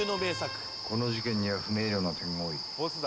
この事件には不明瞭な点が多い。